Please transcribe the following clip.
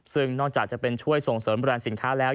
ซึ่งนอกจากจะเป็นช่วยส่งเสริมแรนด์สินค้าแล้ว